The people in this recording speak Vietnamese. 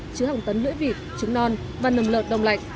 chứa hàng tấn lưỡi vịt trứng non và nầm lợn đông lạnh